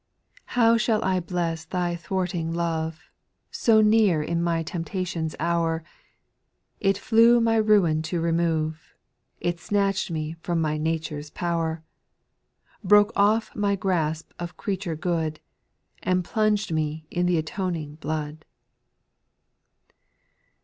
6. How shall I bless Thy thwarting love. So near in my temptation's hour ! It flew my ruin to remove — It snatch'd me from my nature's power Broke off my grasp of creature good, And plunged me in th' atoning blood.